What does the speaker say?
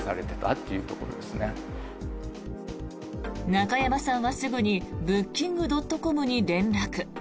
中山さんはすぐにブッキングドットコムに連絡。